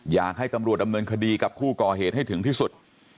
อยากให้ตำรวจดำเนินคดีกับผู้ก่อเหตุให้ถึงที่สุด